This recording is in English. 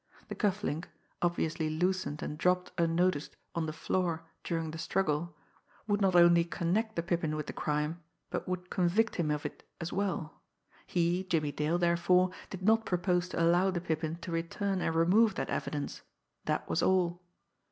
The cuff link, obviously loosened and dropped unnoticed on the floor during the struggle, would not only connect the Pippin with the crime, but would convict him of it as well; he, Jimmie Dale, therefore, did not propose to allow the Pippin to return and remove that evidence that was all.